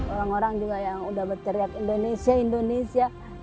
orang orang juga yang udah berteriak indonesia indonesia